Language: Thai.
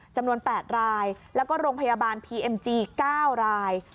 จำนวน๘รายแล้วก็โรงพยาบาลพีเอ็มจี๙ราย